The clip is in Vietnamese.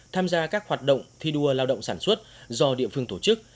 tham gia các hoạt động thi đua lao động sản xuất do địa phương tổ chức